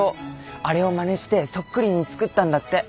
あれをまねしてそっくりに造ったんだって。